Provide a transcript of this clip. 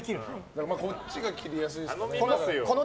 こっちが切りやすいですけどね。